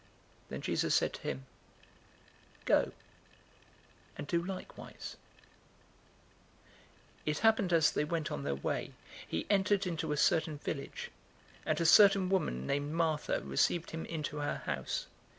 Then Jesus said to him, "Go and do likewise." 010:038 It happened as they went on their way, he entered into a certain village, and a certain woman named Martha received him into her house.